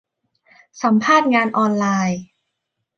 สัมภาษณ์งานออนไลน์